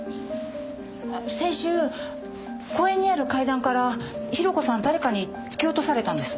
先週公園にある階段から広子さん誰かに突き落とされたんです。